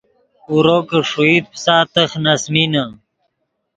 اورو کہ ݰوئیت پیسا تخ نے اَسۡمینے